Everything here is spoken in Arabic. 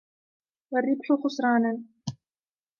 وَالرِّبْحُ خُسْرَانًا